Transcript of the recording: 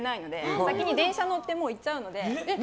先に電車乗って行っちゃうので。